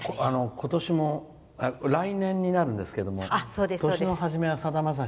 今年も来年になるんですけど「年の初めはさだまさし」